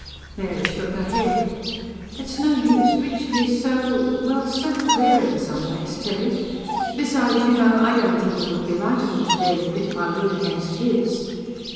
Mary shook her head. "It's no use. Richard is so ... well, so queer in some ways, Tilly. Besides, you know, I don't think it would be right of me to really pit my will against his."